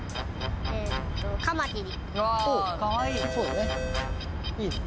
カマキリ。